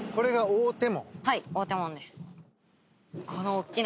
はい大手門です。